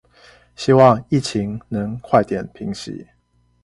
希望疫情能快點平息